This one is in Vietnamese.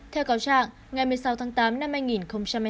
theo cáo trạng ngày một mươi sáu tháng tám năm hai nghìn một mươi hai